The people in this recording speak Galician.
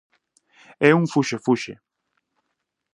É un fuxefuxe.